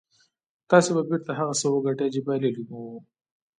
تاسې به بېرته هغه څه وګټئ چې بايللي مو وو.